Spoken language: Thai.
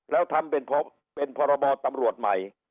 แล้วทำเป็นพรบตำรวจใหม่